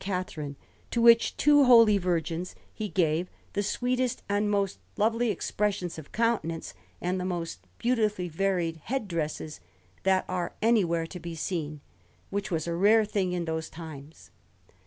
Catherine; to which two holy virgins he gave the sweetest and most lovely expressions of countenance and the most beautifully varied head dresses that are anywhere to be seen, which was a rare thing in those times.